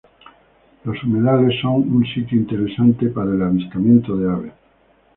Los humedales son un sitio interesante para el avistamiento de aves.